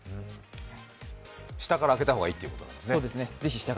下から開けた方がいいということですね。